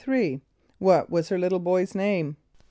= What was her little boy's name?